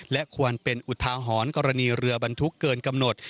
และควรเป็นอุทาหรณ์กรณีเรือบรรทุกเกินกำหนด